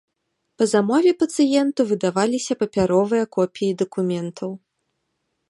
Па замове пацыенту выдаваліся папяровыя копіі дакументаў.